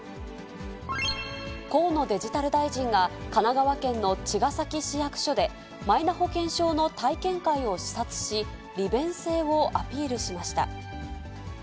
河野デジタル大臣が、神奈川県の茅ヶ崎市役所で、マイナ保険証の体験会を視察し、利便性をアピールしました。